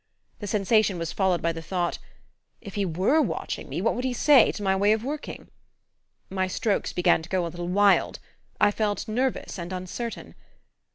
The sensation was followed by the thought: if he WERE watching me, what would he say to my way of working? My strokes began to go a little wild I felt nervous and uncertain.